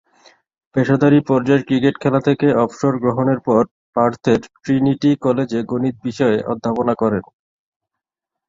পেশাদারী পর্যায়ের ক্রিকেট খেলা থেকে অবসর গ্রহণের পর পার্থের ট্রিনিটি কলেজে গণিত বিষয়ে অধ্যাপনা করেন।